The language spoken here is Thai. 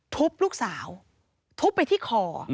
ทุบลูกสาวทุบไปที่คอ